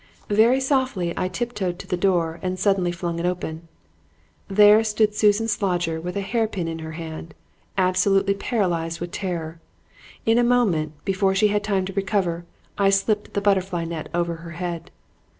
Very softly I tiptoed to the door and suddenly flung it open. There stood Susan Slodger with a hair pin in her hand, absolutely paralyzed with terror. In a moment, before she had time to recover, I had slipped the butterfly net over her head.